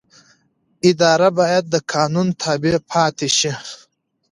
اداره باید د قانون تابع پاتې شي.